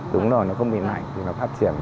đúng rồi nó không bị lạnh thì nó phát triển